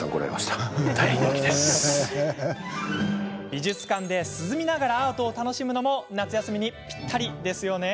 美術館で涼みながらアートを楽しむのも夏休みにぴったりですよね。